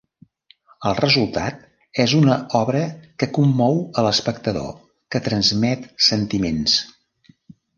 El resultat és una obra que commou a l'espectador, que transmet sentiments.